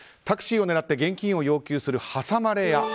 タクシーを狙って現金を要求する挟まれ屋。